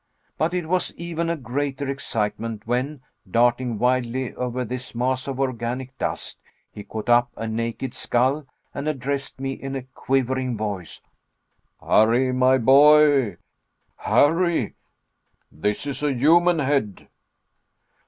But it was even a greater excitement when, darting wildly over this mass of organic dust, he caught up a naked skull and addressed me in a quivering voice: "Harry, my boy Harry this is a human head!"